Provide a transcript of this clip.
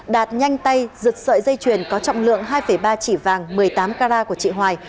đạt nhanh tay giật sợi dây chuyền có trọng lượng hai ba chỉ vàng một mươi tám carat của chị hoài